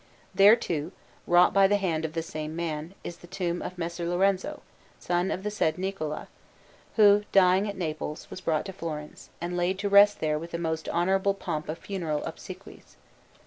There, too, wrought by the hand of the same men, is the tomb of Messer Lorenzo, son of the said Niccola, who, dying at Naples, was brought to Florence and laid to rest there with the most honourable pomp of funeral obsequies.